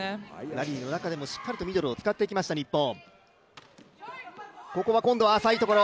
ラリーの中でもしっかりとミドルを使っていきました、日本。